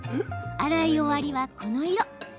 洗い終わりは、この色。